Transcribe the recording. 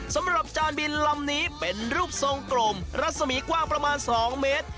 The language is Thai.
สำหรับจานบินลำนี้เป็นรูปทรงกลมรัศมีกว้างประมาณ๒เมตร